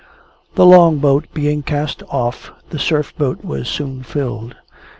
The Long boat being cast off, the Surf boat was soon filled.